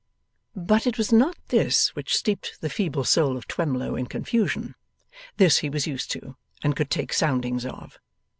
But, it was not this which steeped the feeble soul of Twemlow in confusion. This he was used to, and could take soundings of.